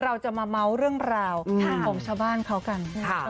เราจะมาเมาส์เรื่องราวของชาวบ้านเขากัน